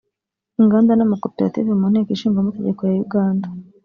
Inganda n’Amakoperative mu Nteko Ishinga Amategeko ya Uganda